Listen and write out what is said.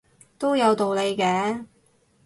都有道理嘅